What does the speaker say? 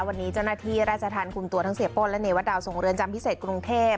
วันนี้เจ้าหน้าที่ราชธรรมคุมตัวทั้งเสียโป้และเนวดาวส่งเรือนจำพิเศษกรุงเทพ